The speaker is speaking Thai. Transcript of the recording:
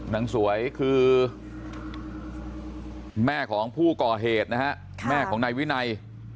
นางสวยคือแม่ของผู้ก่อเหตุนะฮะแม่ของนายวินัย